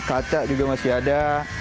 kaca juga masih ada